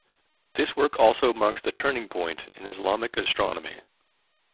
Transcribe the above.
This work also marks the turning point in Islamic astronomy.